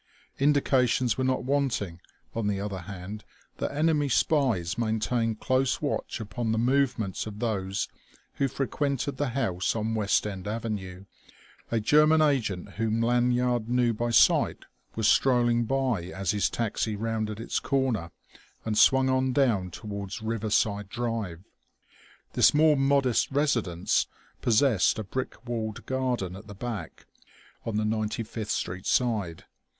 Indications were not wanting, on the other hand, that enemy spies maintained close watch upon the movements of those who frequented the house on West End Avenue. A German agent whom Lanyard knew by sight was strolling by as his taxi rounded its corner and swung on down toward Riverside Drive. This more modest residence possessed a brick walled garden at the back, on the Ninety fifth Street side.